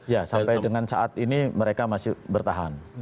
ya sampai dengan saat ini mereka masih bertahan